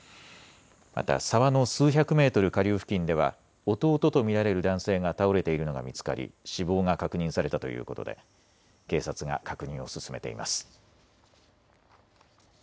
また沢の数百メートル下流付近では弟と見られる男性が倒れているのが見つかり死亡が確認されたということで警察が確認を進めています。